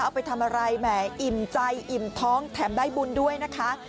เอาไปทำอะไรแหมอิ่มใจอิ่มท้องแถมได้บุญด้วยนะคะ